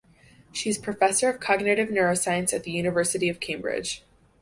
She is Professor of Cognitive Neuroscience at the University of Cambridge.